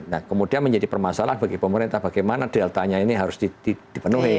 nah kemudian menjadi permasalahan bagi pemerintah bagaimana deltanya ini harus dipenuhi